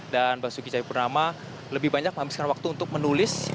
dan basuki ceyapurnama lebih banyak menghabiskan waktu untuk menulis